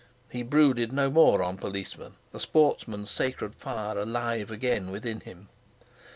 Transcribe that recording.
He brooded no more on policemen, a sportsman's sacred fire alive again within him.